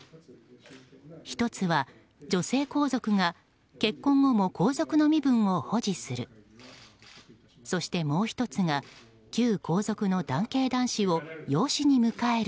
１つは、女性皇族が結婚後も皇族の身分を保持する。